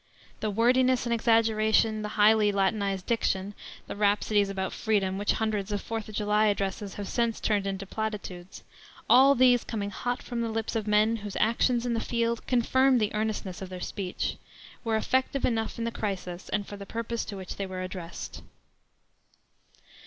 The wordiness and exaggeration; the highly latinized diction; the rhapsodies about freedom which hundreds of Fourth of July addresses have since turned into platitudes all these coming hot from the lips of men whose actions in the field confirmed the earnestness of their speech were effective enough in the crisis and for the purpose to which they were addressed.